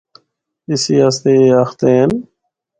اسی آسطے اے آخدے ہن۔